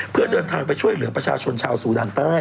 เพื่อเดินทางไปช่วยเหลือประชาชนชาวสูดันใต้